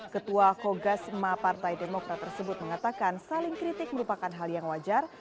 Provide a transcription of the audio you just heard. ketua kogasma partai demokrat tersebut mengatakan saling kritik merupakan hal yang wajar